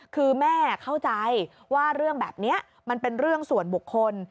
คือแม่เข้าใจว่าเรื่องแบบนี้มันเป็นเรื่องส่วนบุคคล